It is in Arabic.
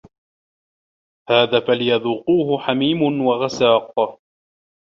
هذا فَليَذوقوهُ حَميمٌ وَغَسّاقٌ